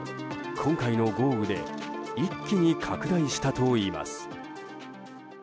今回の豪雨で一気に拡大したといいます。